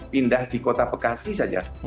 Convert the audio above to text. pindah di kota bekasi saja